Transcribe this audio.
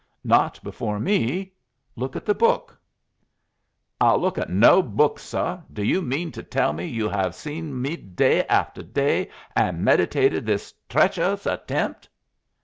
"Not before me. Look at the book." "I'll look at no book, suh. Do you mean to tell me you have seen me day aftuh day and meditated this treacherous attempt?"